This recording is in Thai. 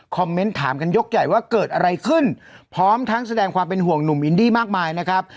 เมนต์ถามกันยกใหญ่ว่าเกิดอะไรขึ้นพร้อมทั้งแสดงความเป็นห่วงหนุ่มอินดี้มากมายนะครับ